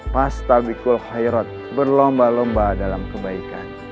pastabikul khairat berlomba lomba dalam kebaikan